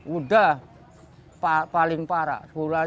udah paling parah